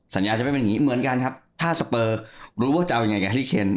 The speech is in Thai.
สัญญาจะไม่เป็นอย่างนี้เหมือนกันครับถ้าสเปอร์รู้ว่าจะเอายังไงกับลิเคน